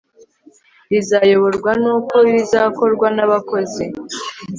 rizayoborwa n uko rizakorwa nabakozi